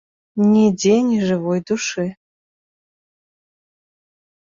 Нідзе ні жывой душы.